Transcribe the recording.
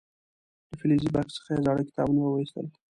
له فلزي بکس څخه یې زاړه کتابونه راو ویستل.